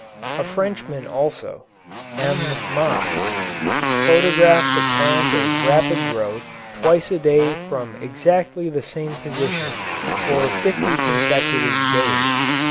A Frenchman also M. Mach photographed a plant of rapid growth twice a day from exactly the same position for fifty consecutive days.